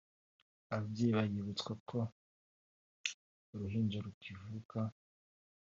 Ababyeyi baributswa ko uruhinja rukivuka